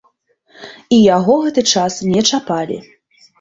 І яго гэты час не чапалі.